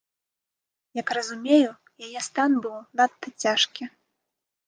Як разумею, яе стан быў надта цяжкі.